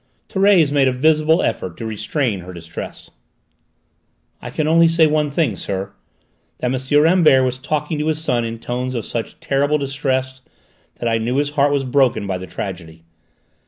Thérèse made a visible effort to restrain her distress. "I can only say one thing, sir: that M. Rambert was talking to his son in tones of such terrible distress that I knew his heart was broken by the tragedy.